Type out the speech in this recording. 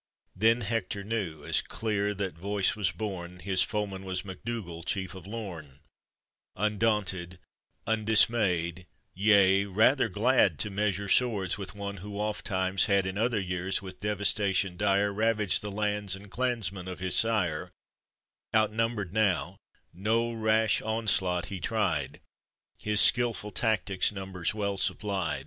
Then Hector knew, as clear that voice was borne, His foeman was MacDougall, Chief of Lorn ; Undaunted, undismayed, yea, rather glad To measure swords with one who ofttimes had In other years with devastation dire Ravaged the lands and clansmen of his sire; Outnumbered now, no rash onslaught he tried, His skillful tactics numbers well supplied.